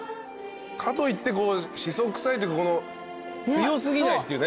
かといってシソ臭いというか強過ぎないっていうね。